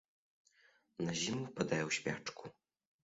На зіму ўпадае ў спячку.